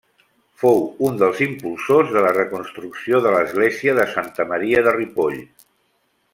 Fou un dels impulsors de la reconstrucció de l'església de Santa Maria de Ripoll.